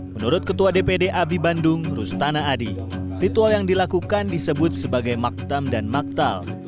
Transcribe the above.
menurut ketua dpd abi bandung rustana adi ritual yang dilakukan disebut sebagai maktam dan maktal